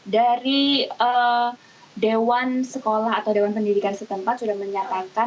dari dewan sekolah atau dewan pendidikan setempat sudah menyatakan